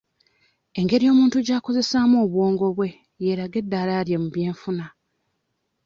Engeri omuntu gy'akozesaamu obwongo bwe yeeraga eddaala lye mu by'enfuna.